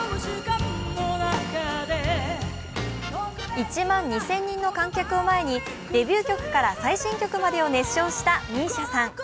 １万２０００人の観客を前にデビュー曲から最新曲までを熱唱したＭＩＳＩＡさん。